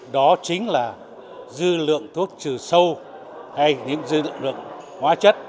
đó chính là dư lượng thuốc trừ sâu hay những dư lượng hóa chất